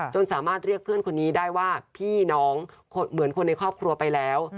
สามารถเรียกเพื่อนคนนี้ได้ว่าพี่น้องเหมือนคนในครอบครัวไปแล้ว